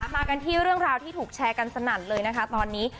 มากันที่เรื่องราวที่ถูกแชร์กันสนั่นเลยนะคะตอนนี้